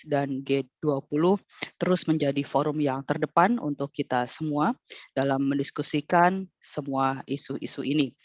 dan g dua puluh terus menjadi forum yang terdepan untuk kita semua dalam mendiskusikan semua isu isu ini